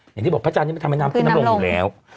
อย่างที่บอกพระเจ้านี้มันทำให้น้ำลงอยู่แล้ว